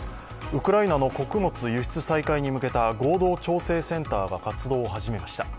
ウクライナの穀物輸出再開に向けた合同調整センターが活動を始めました。